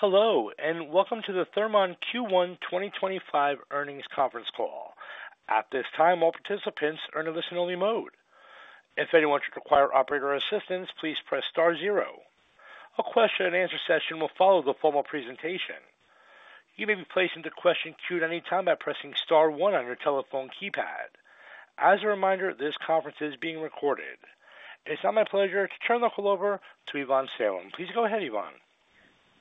Hello, and welcome to the Thermon Q1 2025 earnings conference call. At this time, all participants are in a listen-only mode. If anyone should require operator assistance, please press star zero. A question-and-answer session will follow the formal presentation. You may be placed into question queue at any time by pressing star one on your telephone keypad. As a reminder, this conference is being recorded. It's now my pleasure to turn the call over to Ivonne Salem. Please go ahead, Ivonne.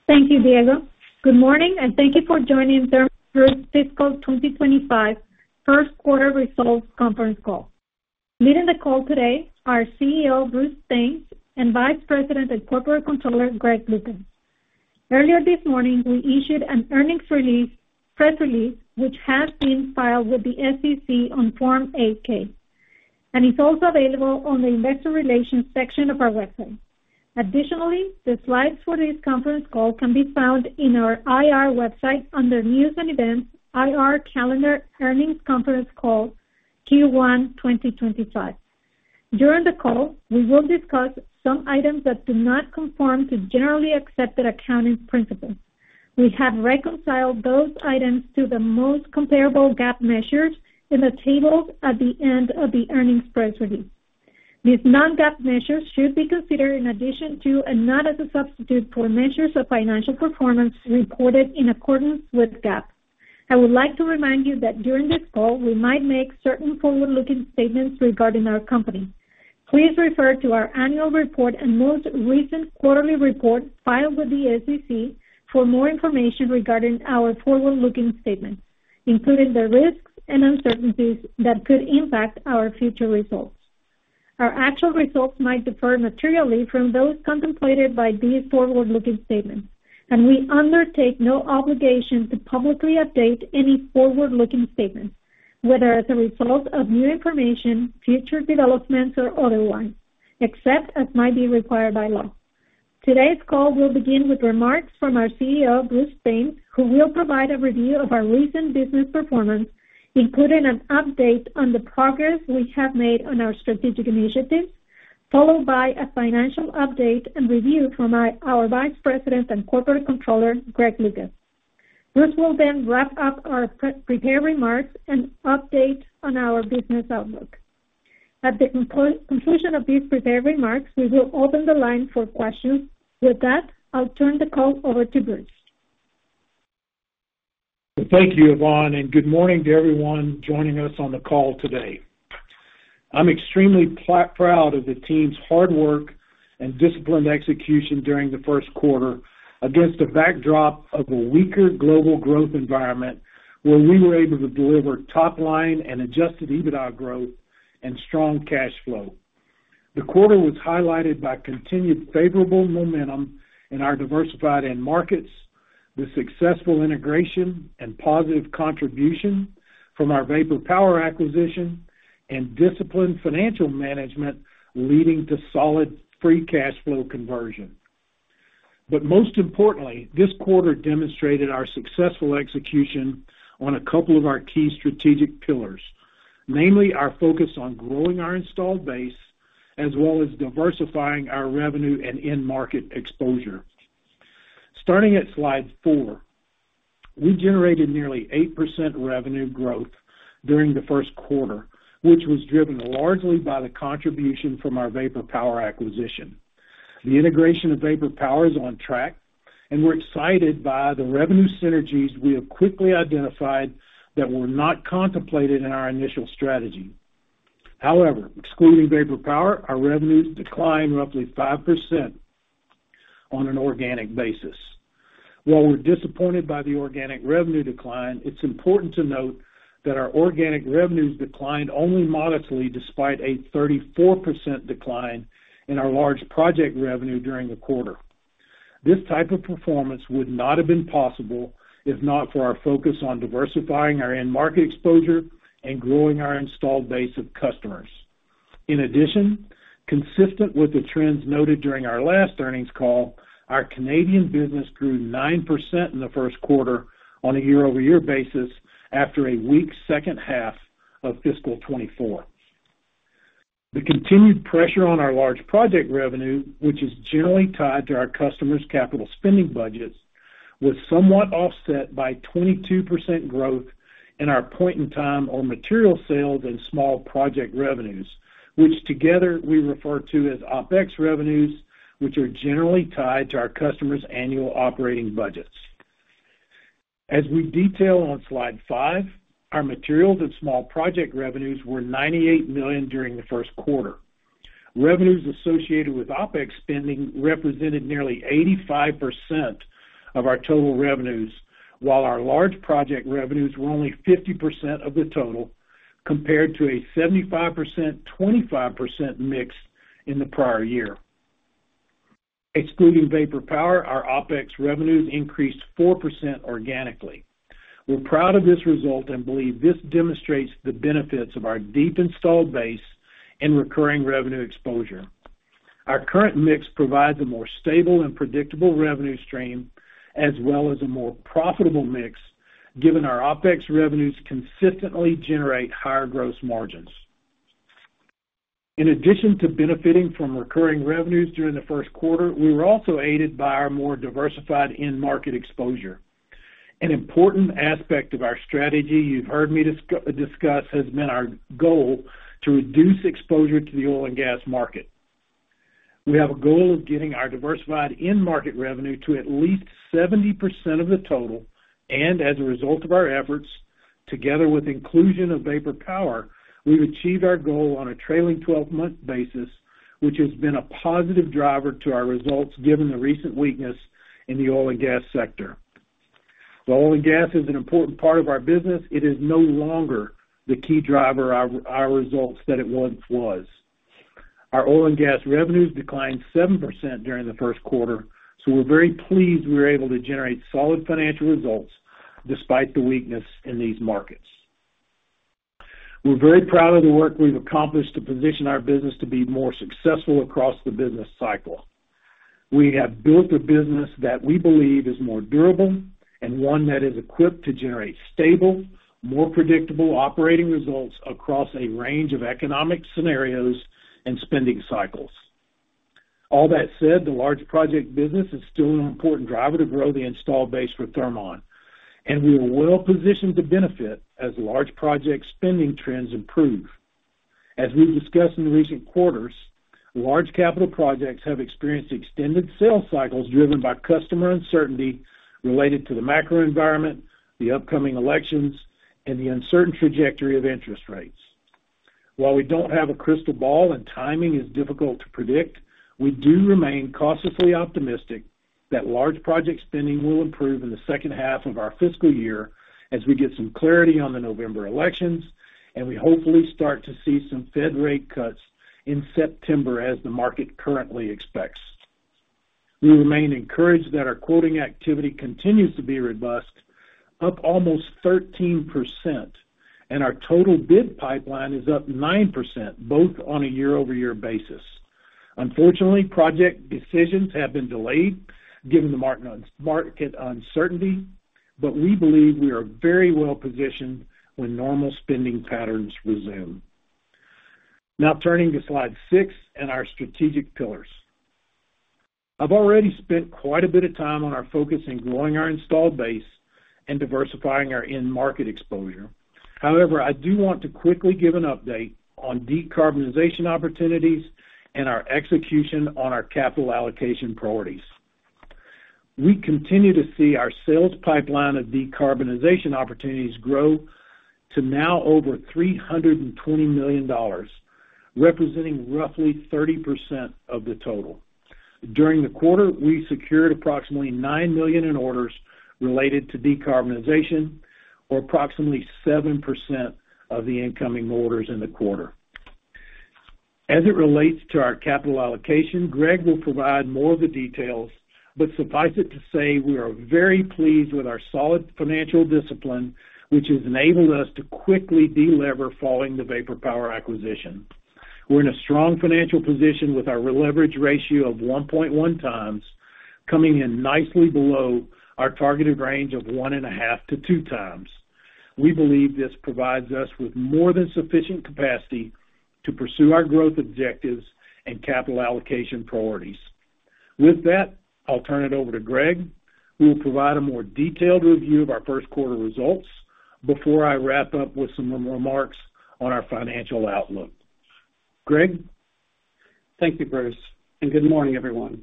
Thank you, Diego. Good morning, and thank you for joining Thermon's fiscal 2025 first quarter results conference call. Leading the call today are CEO, Bruce Thames, and Vice President and Corporate Controller, Greg Lucas. Earlier this morning, we issued an earnings release, press release, which has been filed with the SEC on Form 8-K, and it's also available on the Investor Relations section of our website. Additionally, the slides for this conference call can be found in our IR website under News and Events, IR Calendar Earnings Conference Call Q1 2025. During the call, we will discuss some items that do not conform to generally accepted accounting principles. We have reconciled those items to the most comparable GAAP measures in the tables at the end of the earnings press release. These non-GAAP measures should be considered in addition to, and not as a substitute for, measures of financial performance reported in accordance with GAAP. I would like to remind you that during this call, we might make certain forward-looking statements regarding our company. Please refer to our annual report and most recent quarterly report filed with the SEC for more information regarding our forward-looking statements, including the risks and uncertainties that could impact our future results. Our actual results might differ materially from those contemplated by these forward-looking statements, and we undertake no obligation to publicly update any forward-looking statements, whether as a result of new information, future developments, or otherwise, except as might be required by law. Today's call will begin with remarks from our CEO, Bruce Thames, who will provide a review of our recent business performance, including an update on the progress we have made on our strategic initiatives, followed by a financial update and review from our Vice President and Corporate Controller, Greg Lucas. Bruce will then wrap up our pre-prepared remarks and update on our business outlook. At the conclusion of these prepared remarks, we will open the line for questions. With that, I'll turn the call over to Bruce. Thank you, Ivonne, and good morning to everyone joining us on the call today. I'm extremely proud of the team's hard work and disciplined execution during the first quarter against a backdrop of a weaker global growth environment, where we were able to deliver top line and Adjusted EBITDA growth and strong cash flow. The quarter was highlighted by continued favorable momentum in our diversified end markets, the successful integration and positive contribution from our Vapor Power acquisition, and disciplined financial management, leading to solid free cash flow conversion. But most importantly, this quarter demonstrated our successful execution on a couple of our key strategic pillars, namely our focus on growing our installed base, as well as diversifying our revenue and end market exposure. Starting at slide 4, we generated nearly 8% revenue growth during the first quarter, which was driven largely by the contribution from our Vapor Power acquisition. The integration of Vapor Power is on track, and we're excited by the revenue synergies we have quickly identified that were not contemplated in our initial strategy. However, excluding Vapor Power, our revenues declined roughly 5% on an organic basis. While we're disappointed by the organic revenue decline, it's important to note that our organic revenues declined only modestly, despite a 34% decline in our large project revenue during the quarter. This type of performance would not have been possible if not for our focus on diversifying our end market exposure and growing our installed base of customers. In addition, consistent with the trends noted during our last earnings call, our Canadian business grew 9% in the first quarter on a year-over-year basis after a weak second half of fiscal 2024. The continued pressure on our large project revenue, which is generally tied to our customers' capital spending budgets, was somewhat offset by 22% growth in our point-in-time or material sales and small project revenues, which together we refer to as OpEx revenues, which are generally tied to our customers' annual operating budgets. As we detail on slide 5, our materials and small project revenues were $98 million during the first quarter. Revenues associated with OpEx spending represented nearly 85% of our total revenues, while our large project revenues were only 50% of the total, compared to a 75%, 25% mix in the prior year. Excluding Vapor Power, our OpEx revenues increased 4% organically. We're proud of this result and believe this demonstrates the benefits of our deep installed base and recurring revenue exposure. Our current mix provides a more stable and predictable revenue stream, as well as a more profitable mix, given our OpEx revenues consistently generate higher gross margins.... In addition to benefiting from recurring revenues during the first quarter, we were also aided by our more diversified end market exposure. An important aspect of our strategy you've heard me discuss has been our goal to reduce exposure to the oil and gas market. We have a goal of getting our diversified end market revenue to at least 70% of the total, and as a result of our efforts, together with inclusion of Vapor Power, we've achieved our goal on a trailing twelve-month basis, which has been a positive driver to our results, given the recent weakness in the oil and gas sector. While oil and gas is an important part of our business, it is no longer the key driver of our, our results that it once was. Our oil and gas revenues declined 7% during the first quarter, so we're very pleased we were able to generate solid financial results despite the weakness in these markets. We're very proud of the work we've accomplished to position our business to be more successful across the business cycle. We have built a business that we believe is more durable and one that is equipped to generate stable, more predictable operating results across a range of economic scenarios and spending cycles. All that said, the large project business is still an important driver to grow the installed base for Thermon, and we are well positioned to benefit as large project spending trends improve. As we've discussed in recent quarters, large capital projects have experienced extended sales cycles driven by customer uncertainty related to the macro environment, the upcoming elections, and the uncertain trajectory of interest rates. While we don't have a crystal ball and timing is difficult to predict, we do remain cautiously optimistic that large project spending will improve in the second half of our fiscal year as we get some clarity on the November elections, and we hopefully start to see some Fed rate cuts in September as the market currently expects. We remain encouraged that our quoting activity continues to be robust, up almost 13%, and our total bid pipeline is up 9%, both on a year-over-year basis. Unfortunately, project decisions have been delayed given the market uncertainty, but we believe we are very well positioned when normal spending patterns resume. Now, turning to Slide 6 and our strategic pillars. I've already spent quite a bit of time on our focus in growing our installed base and diversifying our end market exposure. However, I do want to quickly give an update on decarbonization opportunities and our execution on our capital allocation priorities. We continue to see our sales pipeline of decarbonization opportunities grow to now over $320 million, representing roughly 30% of the total. During the quarter, we secured approximately $9 million in orders related to decarbonization, or approximately 7% of the incoming orders in the quarter. As it relates to our capital allocation, Greg will provide more of the details, but suffice it to say, we are very pleased with our solid financial discipline, which has enabled us to quickly delever following the Vapor Power acquisition. We're in a strong financial position with our leverage ratio of 1.1 times, coming in nicely below our targeted range of 1.5-2 times. We believe this provides us with more than sufficient capacity to pursue our growth objectives and capital allocation priorities. With that, I'll turn it over to Greg, who will provide a more detailed review of our first quarter results before I wrap up with some remarks on our financial outlook. Greg? Thank you, Bruce, and good morning, everyone.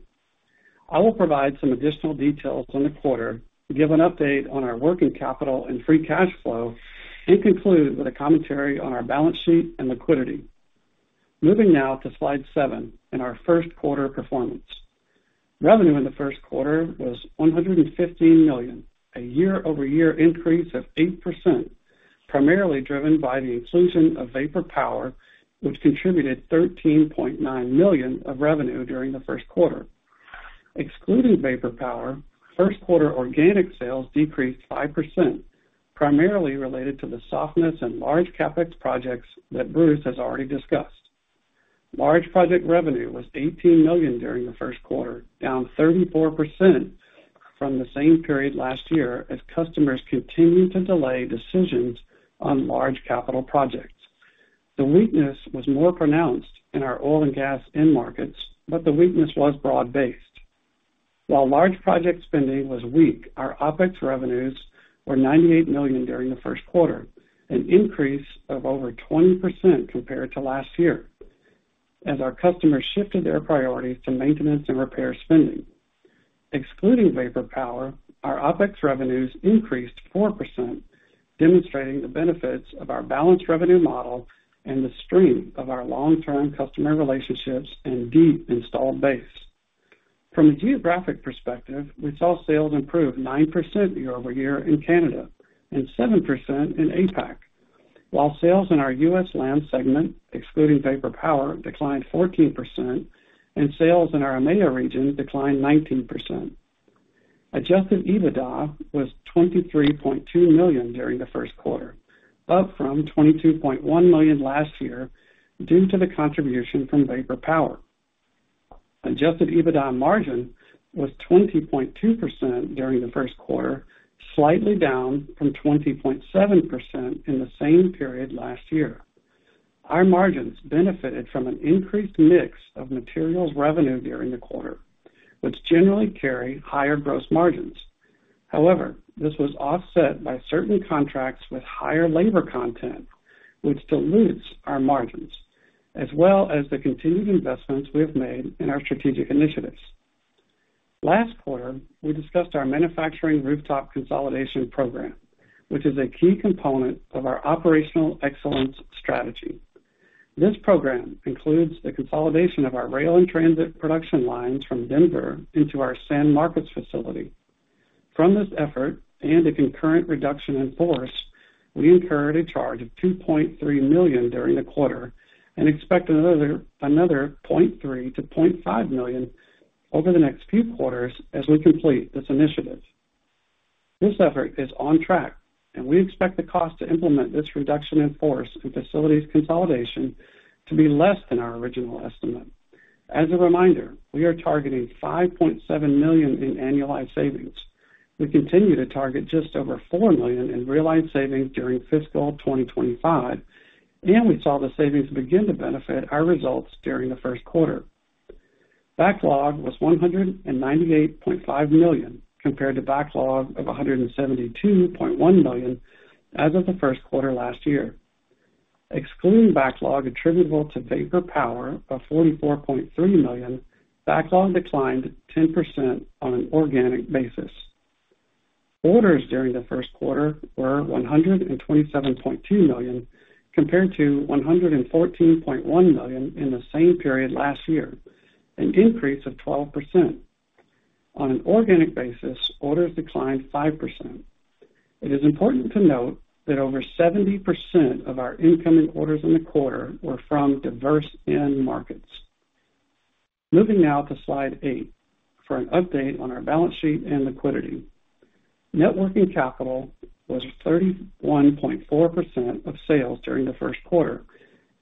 I will provide some additional details on the quarter, give an update on our working capital and free cash flow, and conclude with a commentary on our balance sheet and liquidity. Moving now to Slide 7 and our first quarter performance. Revenue in the first quarter was $115 million, a year-over-year increase of 8%, primarily driven by the inclusion of Vapor Power, which contributed $13.9 million of revenue during the first quarter. Excluding Vapor Power, first quarter organic sales decreased 5%, primarily related to the softness in large CapEx projects that Bruce has already discussed. Large project revenue was $18 million during the first quarter, down 34% from the same period last year as customers continued to delay decisions on large capital projects. The weakness was more pronounced in our oil and gas end markets, but the weakness was broad-based. While large project spending was weak, our OpEx revenues were $98 million during the first quarter, an increase of over 20% compared to last year, as our customers shifted their priorities to maintenance and repair spending. Excluding Vapor Power, our OpEx revenues increased 4%, demonstrating the benefits of our balanced revenue model and the strength of our long-term customer relationships and deep installed base. From a geographic perspective, we saw sales improve 9% year-over-year in Canada and 7% in APAC, while sales in our U.S. LAM segment, excluding Vapor Power, declined 14% and sales in our EMEA region declined 19%. Adjusted EBITDA was $23.2 million during the first quarter, up from $22.1 million last year, due to the contribution from Vapor Power.... Adjusted EBITDA margin was 20.2% during the first quarter, slightly down from 20.7% in the same period last year. Our margins benefited from an increased mix of materials revenue during the quarter, which generally carry higher gross margins. However, this was offset by certain contracts with higher labor content, which dilutes our margins, as well as the continued investments we have made in our strategic initiatives. Last quarter, we discussed our manufacturing rooftop consolidation program, which is a key component of our operational excellence strategy. This program includes the consolidation of our rail and transit production lines from Denver into our San Marcos facility. From this effort, and a concurrent reduction in force, we incurred a charge of $2.3 million during the quarter and expect another $0.3 million-$0.5 million over the next few quarters as we complete this initiative. This effort is on track, and we expect the cost to implement this reduction in force and facilities consolidation to be less than our original estimate. As a reminder, we are targeting $5.7 million in annualized savings. We continue to target just over $4 million in realized savings during fiscal 2025, and we saw the savings begin to benefit our results during the first quarter. Backlog was $198.5 million, compared to backlog of $172.1 million as of the first quarter last year. Excluding backlog attributable to Vapor Power of $44.3 million, backlog declined 10% on an organic basis. Orders during the first quarter were $127.2 million, compared to $114.1 million in the same period last year, an increase of 12%. On an organic basis, orders declined 5%. It is important to note that over 70% of our incoming orders in the quarter were from diverse end markets. Moving now to Slide 8 for an update on our balance sheet and liquidity. Net working capital was 31.4% of sales during the first quarter,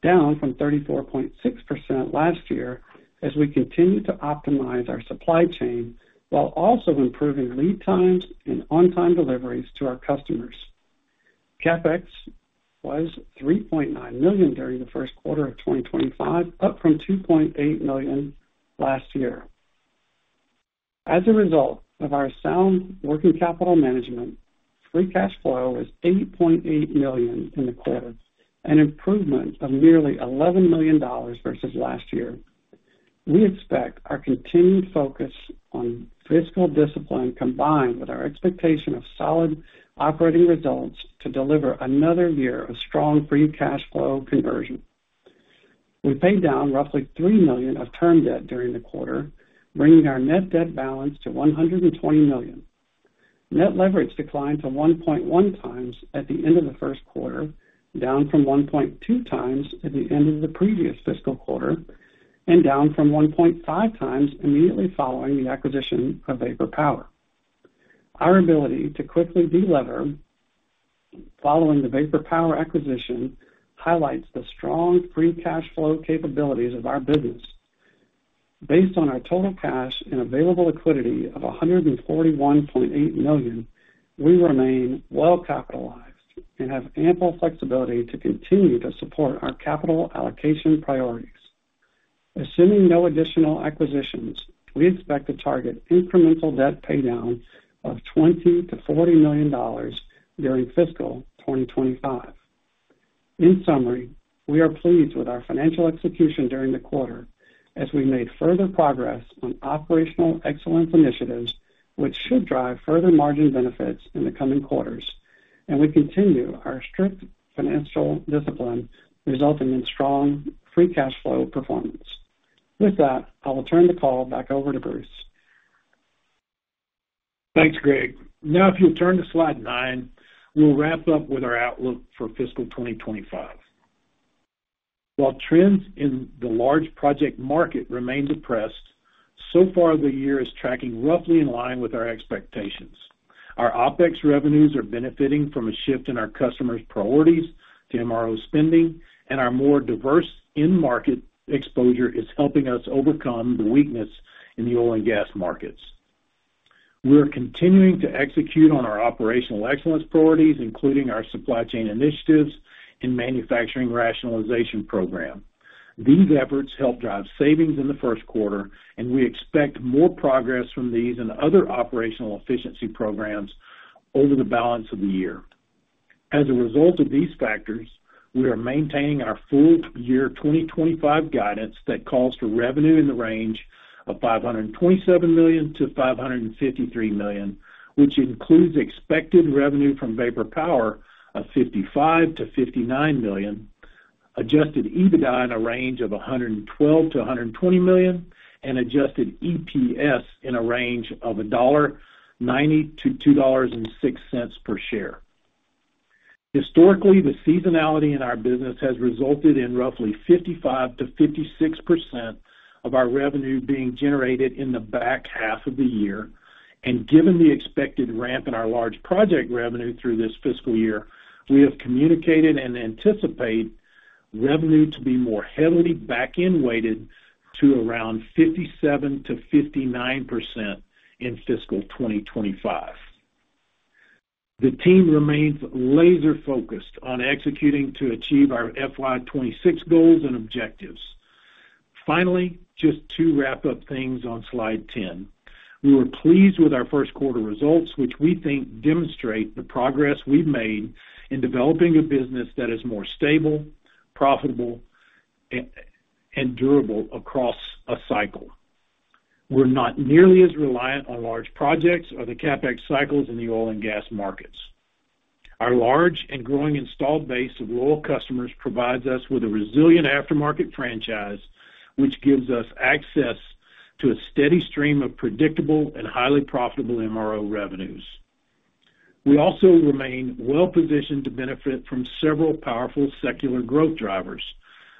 down from 34.6% last year as we continue to optimize our supply chain while also improving lead times and on-time deliveries to our customers. CapEx was $3.9 million during the first quarter of 2025, up from $2.8 million last year. As a result of our sound working capital management, free cash flow was $8.8 million in the quarter, an improvement of nearly $11 million versus last year. We expect our continued focus on fiscal discipline, combined with our expectation of solid operating results, to deliver another year of strong free cash flow conversion. We paid down roughly $3 million of term debt during the quarter, bringing our net debt balance to $120 million. Net leverage declined to 1.1x at the end of the first quarter, down from 1.2x at the end of the previous fiscal quarter, and down from 1.5x immediately following the acquisition of Vapor Power. Our ability to quickly delever following the Vapor Power acquisition highlights the strong free cash flow capabilities of our business. Based on our total cash and available liquidity of $141.8 million, we remain well capitalized and have ample flexibility to continue to support our capital allocation priorities. Assuming no additional acquisitions, we expect to target incremental debt paydown of $20 million-$40 million during fiscal 2025. In summary, we are pleased with our financial execution during the quarter as we made further progress on operational excellence initiatives, which should drive further margin benefits in the coming quarters, and we continue our strict financial discipline, resulting in strong free cash flow performance. With that, I will turn the call back over to Bruce. Thanks, Greg. Now, if you'll turn to Slide 9, we'll wrap up with our outlook for fiscal 2025. While trends in the large project market remain depressed, so far the year is tracking roughly in line with our expectations. Our OpEx revenues are benefiting from a shift in our customers' priorities to MRO spending, and our more diverse end market exposure is helping us overcome the weakness in the oil and gas markets. We are continuing to execute on our operational excellence priorities, including our supply chain initiatives and manufacturing rationalization program. These efforts helped drive savings in the first quarter, and we expect more progress from these and other operational efficiency programs over the balance of the year. As a result of these factors, we are maintaining our full-year 2025 guidance that calls for revenue in the range of $527 million-$553 million, which includes expected revenue from Vapor Power of $55 million-$59 million, Adjusted EBITDA in a range of $112 million-$120 million, and Adjusted EPS in a range of $1.90-$2.06 per share. Historically, the seasonality in our business has resulted in roughly 55%-56% of our revenue being generated in the back half of the year. And given the expected ramp in our large project revenue through this fiscal year, we have communicated and anticipate revenue to be more heavily back-end weighted to around 57%-59% in fiscal 2025.... The team remains laser focused on executing to achieve our FY26 goals and objectives. Finally, just to wrap up things on slide 10, we were pleased with our first quarter results, which we think demonstrate the progress we've made in developing a business that is more stable, profitable, and durable across a cycle. We're not nearly as reliant on large projects or the CapEx cycles in the oil and gas markets. Our large and growing installed base of loyal customers provides us with a resilient aftermarket franchise, which gives us access to a steady stream of predictable and highly profitable MRO revenues. We also remain well-positioned to benefit from several powerful secular growth drivers.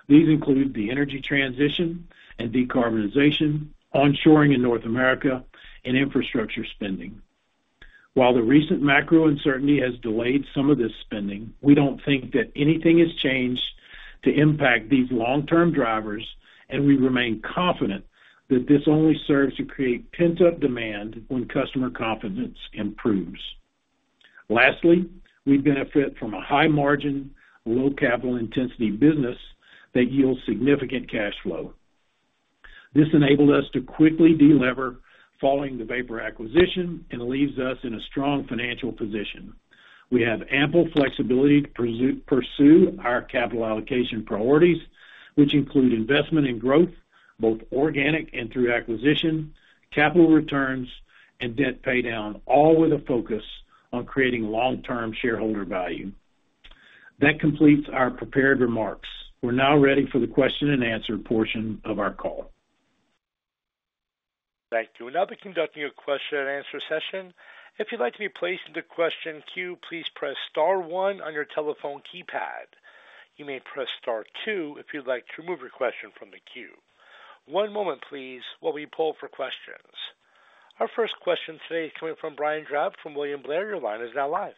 These include the energy transition and decarbonization, onshoring in North America, and infrastructure spending. While the recent macro uncertainty has delayed some of this spending, we don't think that anything has changed to impact these long-term drivers, and we remain confident that this only serves to create pent-up demand when customer confidence improves. Lastly, we benefit from a high margin, low capital intensity business that yields significant cash flow. This enabled us to quickly delever following the Vapor acquisition and leaves us in a strong financial position. We have ample flexibility to pursue our capital allocation priorities, which include investment in growth, both organic and through acquisition, capital returns, and debt paydown, all with a focus on creating long-term shareholder value. That completes our prepared remarks. We're now ready for the question-and-answer portion of our call. Thank you. We'll now be conducting a question-and-answer session. If you'd like to be placed in the question queue, please press star one on your telephone keypad. You may press star two if you'd like to remove your question from the queue. One moment, please, while we poll for questions. Our first question today is coming from Brian Drab from William Blair. Your line is now live.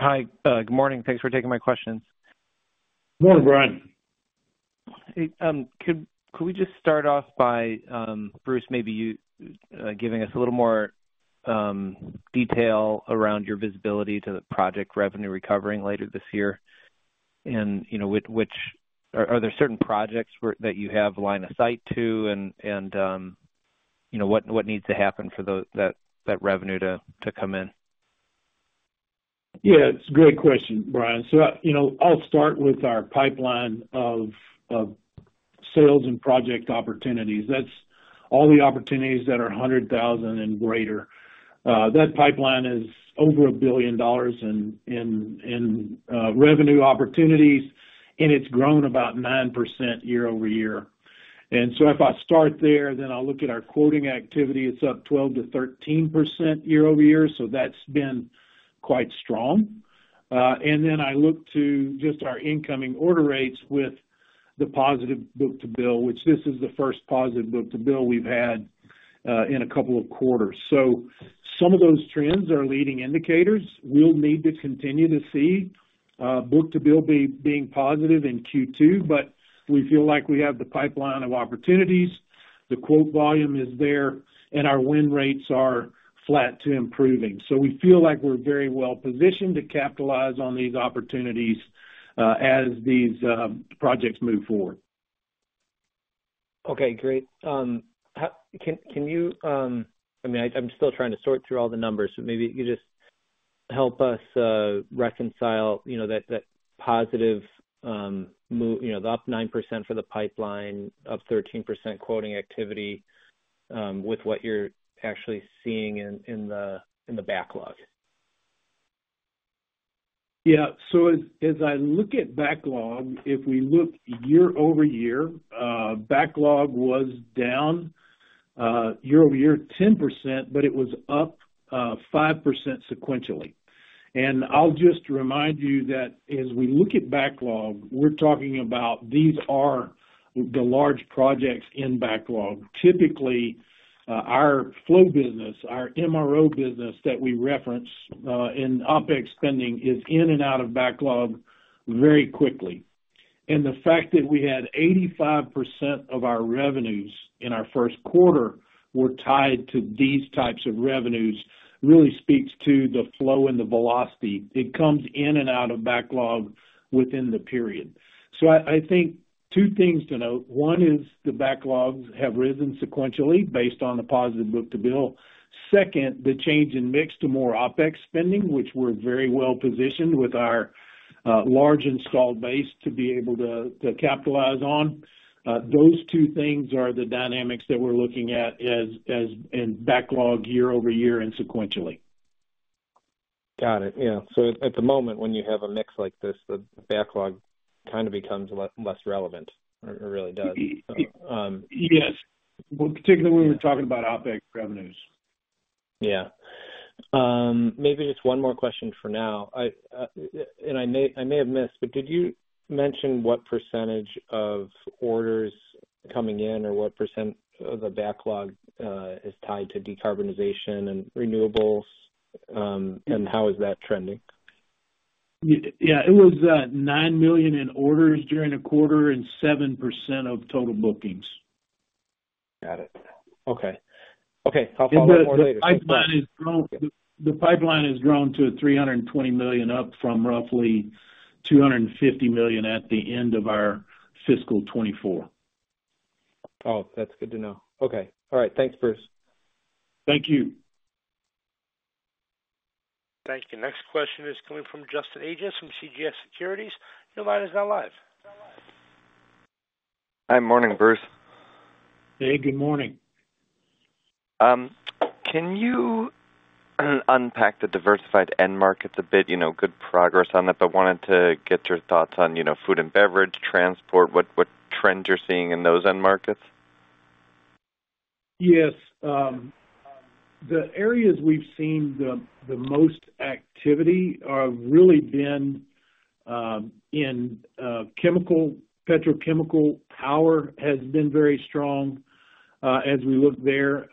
Hi. Good morning. Thanks for taking my questions. Good morning, Brian. Hey, could we just start off by, Bruce, maybe you giving us a little more detail around your visibility to the project revenue recovering later this year? And, you know, which are there certain projects where that you have line of sight to, and, you know, what needs to happen for that revenue to come in? Yeah, it's a great question, Brian. So, you know, I'll start with our pipeline of sales and project opportunities. That's all the opportunities that are 100,000 and greater. That pipeline is over $1 billion in revenue opportunities, and it's grown about 9% year-over-year. And so if I start there, then I'll look at our quoting activity. It's up 12%-13% year-over-year, so that's been quite strong. And then I look to just our incoming order rates with the positive book-to-bill, which this is the first positive book-to-bill we've had in a couple of quarters. So some of those trends are leading indicators. We'll need to continue to see book-to-bill being positive in Q2, but we feel like we have the pipeline of opportunities, the quote volume is there, and our win rates are flat to improving. So we feel like we're very well positioned to capitalize on these opportunities as these projects move forward. Okay, great. How can you, I mean, I'm still trying to sort through all the numbers, so maybe you just help us reconcile, you know, that positive, you know, the up 9% for the pipeline, up 13% quoting activity, with what you're actually seeing in the backlog. Yeah. So as I look at backlog, if we look year-over-year, backlog was down year-over-year 10%, but it was up 5% sequentially. And I'll just remind you that as we look at backlog, we're talking about these are the large projects in backlog. Typically, our flow business, our MRO business that we reference in OpEx spending, is in and out of backlog very quickly. And the fact that we had 85% of our revenues in our first quarter were tied to these types of revenues, really speaks to the flow and the velocity. It comes in and out of backlog within the period. So I think two things to note. One is the backlogs have risen sequentially based on the positive book-to-bill. Second, the change in mix to more OpEx spending, which we're very well positioned with our large installed base to be able to capitalize on. Those two things are the dynamics that we're looking at as in backlog year-over-year and sequentially. Got it. Yeah. So at the moment, when you have a mix like this, the backlog kind of becomes less, less relevant. It really does. Yes. Well, particularly when we're talking about OpEx revenues. Yeah. Maybe just one more question for now. I, and I may, I may have missed, but did you mention what percentage of orders coming in, or what percent of the backlog, is tied to decarbonization and renewables? And how is that trending? ... Yeah, it was $9 million in orders during the quarter and 7% of total bookings. Got it. Okay. Okay, I'll follow up more later. The pipeline has grown to $320 million, up from roughly $250 million at the end of our fiscal 2024. Oh, that's good to know. Okay. All right. Thanks, Bruce. Thank you. Thank you. Next question is coming from Justin Agius from CJS Securities. Your line is now live. Hi. Morning, Bruce. Hey, good morning. Can you unpack the diversified end markets a bit? You know, good progress on it, but wanted to get your thoughts on, you know, food and beverage, transport, what trends you're seeing in those end markets. Yes. The areas we've seen the most activity are really been in chemical, petrochemical, power has been very strong as we look there.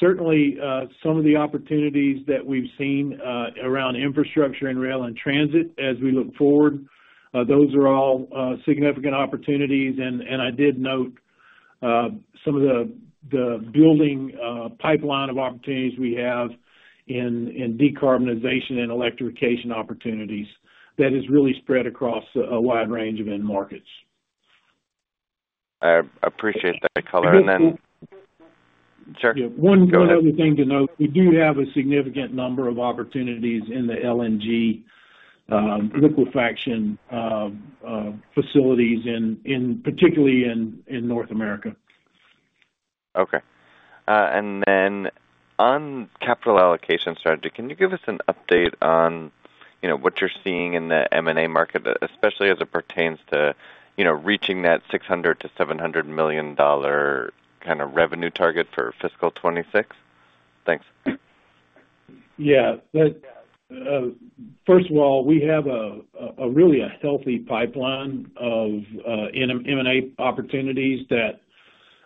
Certainly, some of the opportunities that we've seen around infrastructure and rail, and transit as we look forward, those are all significant opportunities. I did note some of the building pipeline of opportunities we have in decarbonization and electrification opportunities, that is really spread across a wide range of end markets. I appreciate that color. And then- Sure. Go ahead. One other thing to note, we do have a significant number of opportunities in the LNG liquefaction facilities, particularly in North America. Okay. Then on capital allocation strategy, can you give us an update on, you know, what you're seeing in the M&A market, especially as it pertains to, you know, reaching that $600 million-$700 million kind of revenue target for fiscal 2026? Thanks. Yeah. First of all, we have a really healthy pipeline of M&A opportunities that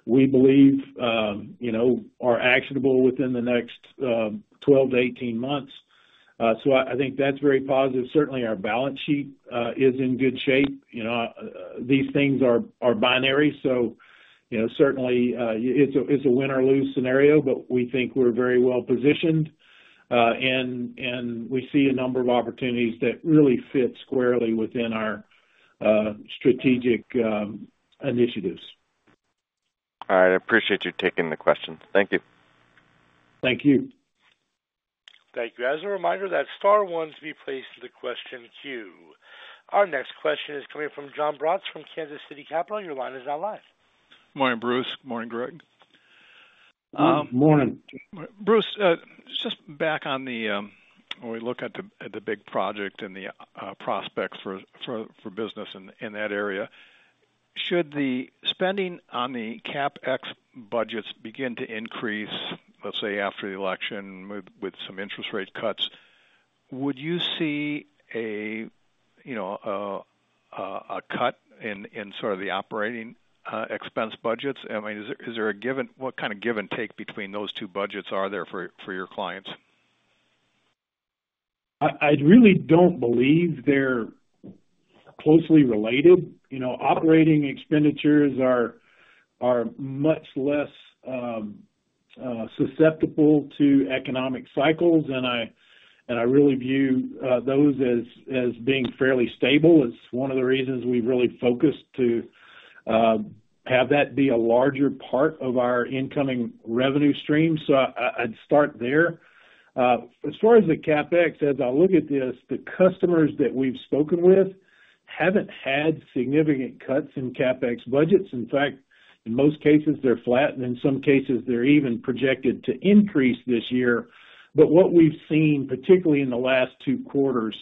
we believe, you know, are actionable within the next 12-18 months. So I think that's very positive. Certainly, our balance sheet is in good shape. You know, these things are binary, so, you know, certainly, it's a win or lose scenario, but we think we're very well positioned, and we see a number of opportunities that really fit squarely within our strategic initiatives. All right. I appreciate you taking the question. Thank you. Thank you. Thank you. As a reminder, that's star one to be placed to the question queue. Our next question is coming from Jon Braatz from Kansas City Capital Associates. Your line is now live. Morning, Bruce. Morning, Greg. Good morning. Bruce, just back on the, when we look at the big project and the prospects for business in that area, should the spending on the CapEx budgets begin to increase, let's say, after the election, with some interest rate cuts, would you see a, you know, a cut in sort of the operating expense budgets? I mean, is there a given—what kind of give and take between those two budgets are there for your clients? I really don't believe they're closely related. You know, operating expenditures are much less susceptible to economic cycles, and I really view those as being fairly stable. It's one of the reasons we've really focused to have that be a larger part of our incoming revenue stream. So I'd start there. As far as the CapEx, as I look at this, the customers that we've spoken with haven't had significant cuts in CapEx budgets. In fact, in most cases, they're flat, and in some cases, they're even projected to increase this year. But what we've seen, particularly in the last two quarters,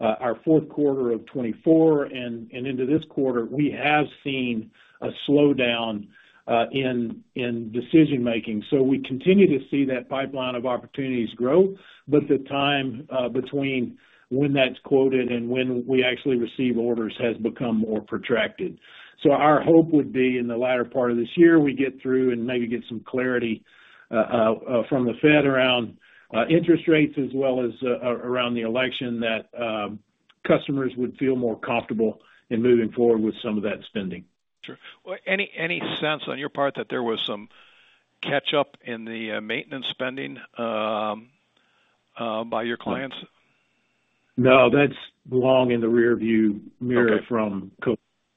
our fourth quarter of 2024 and into this quarter, we have seen a slowdown in decision-making. So we continue to see that pipeline of opportunities grow, but the time between when that's quoted and when we actually receive orders has become more protracted. So our hope would be, in the latter part of this year, we get through and maybe get some clarity from the Fed around interest rates, as well as around the election, that customers would feel more comfortable in moving forward with some of that spending. Sure. Well, any sense on your part that there was some catch-up in the maintenance spending by your clients? No, that's long in the rearview mirror- Okay. - from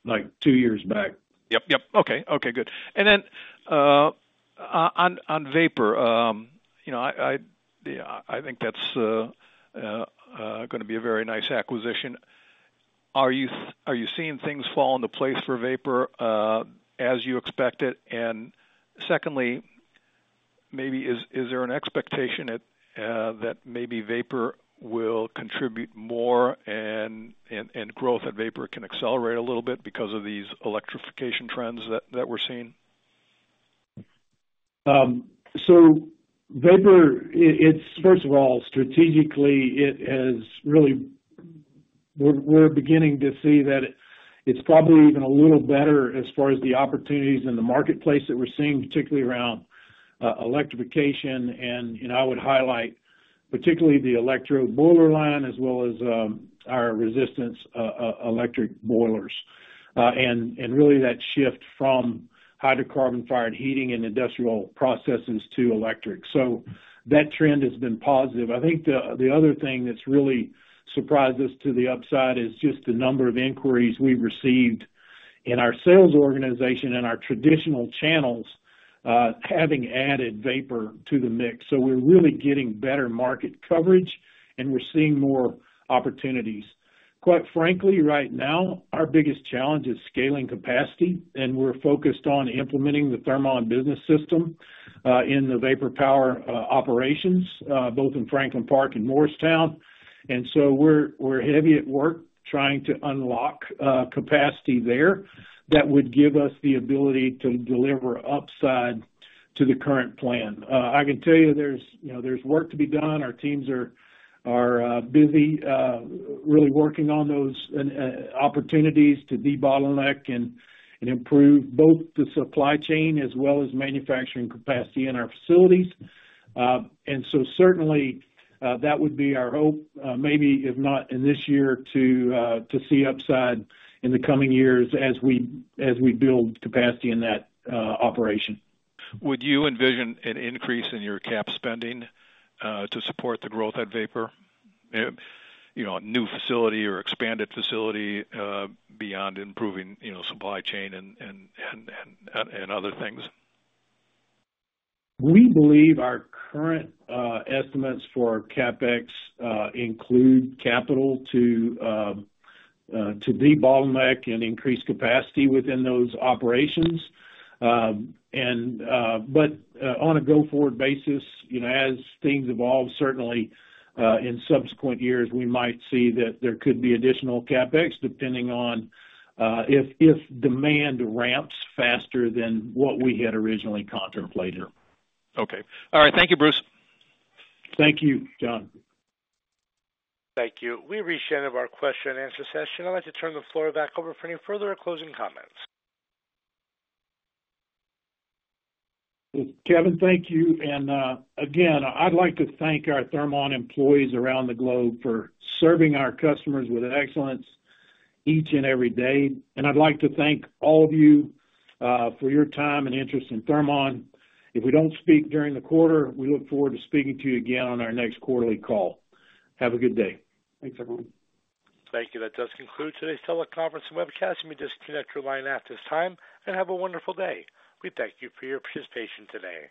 like, 2 years back. Yep, yep. Okay. Okay, good. And then on Vapor, you know, yeah, I think that's gonna be a very nice acquisition. Are you seeing things fall into place for Vapor as you expected? And secondly, maybe is there an expectation that maybe Vapor will contribute more and growth at Vapor can accelerate a little bit because of these electrification trends that we're seeing? So Vapor, it's first of all, strategically, it has really... We're beginning to see that it's probably even a little better as far as the opportunities in the marketplace that we're seeing, particularly around electrification. And, you know, I would highlight particularly the electrode boiler line as well as our resistance electric boilers. And really, that shift from hydrocarbon-fired heating and industrial processes to electric. So that trend has been positive. I think the other thing that's really surprised us to the upside is just the number of inquiries we've received in our sales organization and our traditional channels having added Vapor to the mix. So we're really getting better market coverage, and we're seeing more opportunities. Quite frankly, right now, our biggest challenge is scaling capacity, and we're focused on implementing the Thermon Business System in the Vapor Power operations both in Franklin Park and Morristown. And so we're heavy at work trying to unlock capacity there that would give us the ability to deliver upside to the current plan. I can tell you there's, you know, there's work to be done. Our teams are busy really working on those opportunities to debottleneck and improve both the supply chain as well as manufacturing capacity in our facilities. And so certainly that would be our hope, maybe if not in this year, to see upside in the coming years as we build capacity in that operation. Would you envision an increase in your CapEx spending to support the growth at Vapor? You know, a new facility or expanded facility beyond improving, you know, supply chain and other things. We believe our current estimates for CapEx include capital to debottleneck and increase capacity within those operations. On a go-forward basis, you know, as things evolve, certainly, in subsequent years, we might see that there could be additional CapEx, depending on if demand ramps faster than what we had originally contemplated. Okay. All right. Thank you, Bruce. Thank you, Jon. Thank you. We've reached the end of our question and answer session. I'd like to turn the floor back over for any further closing comments. Kevin, thank you. And, again, I'd like to thank our Thermon employees around the globe for serving our customers with excellence each and every day. And I'd like to thank all of you, for your time and interest in Thermon. If we don't speak during the quarter, we look forward to speaking to you again on our next quarterly call. Have a good day. Thanks, everyone. Thank you. That does conclude today's teleconference and webcast. You may disconnect your line at this time, and have a wonderful day. We thank you for your participation today.